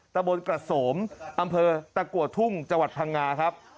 ตะโบดกระโสมอำเภอตะกวดทุ่งจพังงาครับ